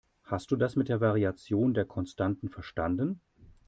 Hast du das mit der Variation der Konstanten verstanden?